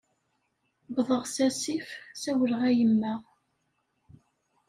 Wwḍeɣ s asif sawleɣ a yemma.